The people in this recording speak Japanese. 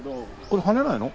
これ跳ねないの？